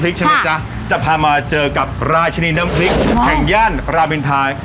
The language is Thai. พริกใช่มั้ยจ๋าจะพามาเจอกับรายชนีนน้ำพริกแผ่งญาณรามินทรรศาสตร์